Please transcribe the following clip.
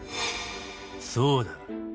「そうだ」